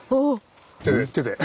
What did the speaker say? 手で。